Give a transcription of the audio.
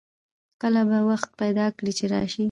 کله به وخت پیدا کړي چې راشئ